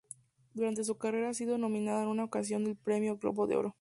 Durante su carrera ha sido nominada en una ocasión al Premio Globo de Oro.